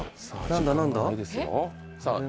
何だ何だ？